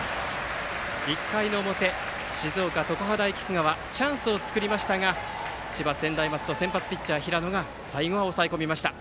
１回の表、静岡・常葉大菊川チャンスを作りましたが千葉・専大松戸の先発ピッチャーの平野が最後は抑え込みました。